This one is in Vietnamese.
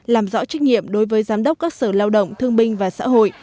làm rõ trách nhiệm đối với giám đốc các sở lao động thương binh và xã hội